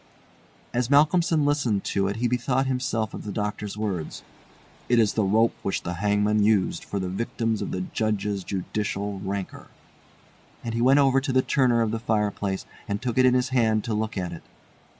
As Malcolmson listened to it he bethought himself of the doctor's words, "It is the rope which the hangman used for the victims of the Judge's judicial rancour," and he went over to the corner of the fireplace and took it in his hand to look at it.